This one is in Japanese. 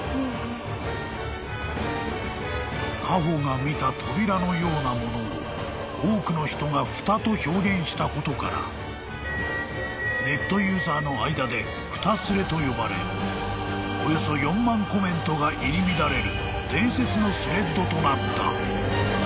［ＫＡＨＯが見た扉のような物を多くの人が蓋と表現したことからネットユーザーの間で「蓋スレ」と呼ばれおよそ４万コメントが入り乱れる伝説のスレッドとなった］